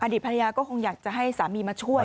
ดีตภรรยาก็คงอยากจะให้สามีมาช่วย